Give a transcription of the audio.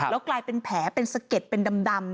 แล้วกลายเป็นแผลเป็นสะเก็ดเป็นดำ